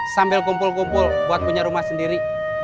sambil kumpul kumpul buat punya rumah sendiri